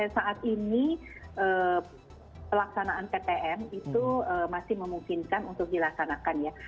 saat ini pelaksanaan ptm itu masih memungkinkan untuk dilaksanakan ya